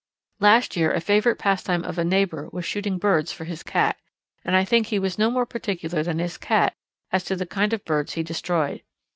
Last year a favourite pastime of a neighbour was shooting birds for his cat, and I think he was no more particular than his cat as to the kind of birds he destroyed.